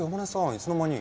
いつの間に。